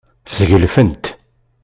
Sgelfent.